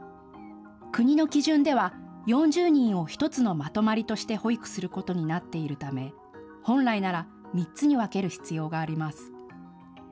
国の基準では４０人を１つのまとまりとして保育することになっているため本来なら３つに分ける必要があります。